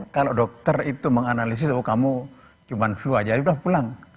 kalau dokter itu menganalisis oh kamu cuma flu aja udah pulang